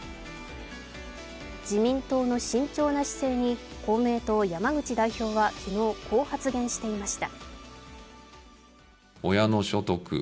自民党の慎重な姿勢に公明党・山口代表は昨日、こう発言していました。